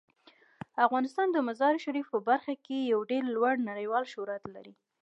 افغانستان د مزارشریف په برخه کې یو ډیر لوړ نړیوال شهرت لري.